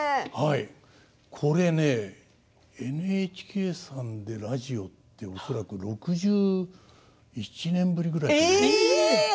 これね、ＮＨＫさんでラジオって恐らく６１年ぶりぐらいじゃないですかね。